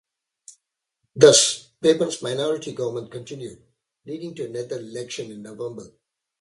Thus, Papen's minority government continued, leading to another election in November.